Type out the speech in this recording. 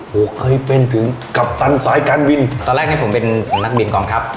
ผมเคยเป็นถึงกัปตันสายการบินตอนแรกให้ผมเป็นนักบินกองทัพ